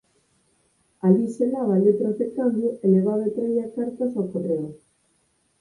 Alí selaba letras de cambio e levaba e traía cartas ao correo.